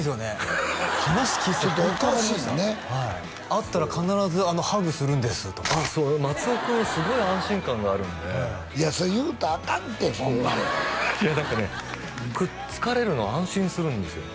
会ったら必ずハグするんですとかそう松尾くんすごい安心感があるんでいやそれ言うたらあかんってそんなの何かねくっつかれるの安心するんですよ